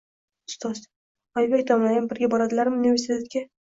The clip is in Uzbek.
— Ustoz, Oybek domlayam birga boradilarmi universitetga?